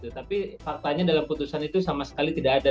tapi faktanya dalam putusan itu sama sekali tidak ada